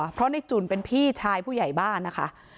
เพราะในจุ่นเป็นพี่ชายผู้ใหญ่บ้านนะคะ